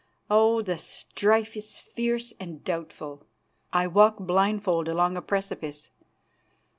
Oh! the strife is fierce and doubtful. I walk blindfold along a precipice.